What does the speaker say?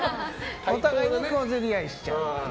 お互いに小競り合いしちゃう。